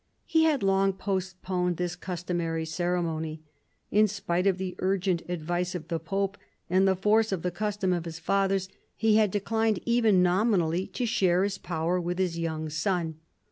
He had long postponed this customary ceremony. In spite of the urgent advice of the pope and the force of the custom of his fathers, he had declined even nominally to share his power with his young son.